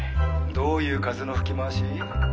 どういう風の吹き回し？